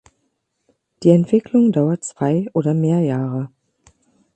Die Entwicklung dauert zwei oder mehr Jahre.